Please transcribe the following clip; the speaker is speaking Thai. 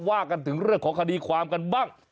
ว่ากันถึงเรื่องของคดีความกันบ้าง